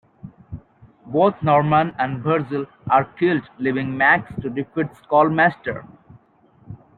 Both Norman and Virgil are killed, leaving Max to defeat Skullmaster.